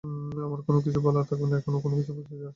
আমরা কোনো কিছু বলার আগে, এখানে কোনো কিছুর উপস্থিতি আছে, এখানে।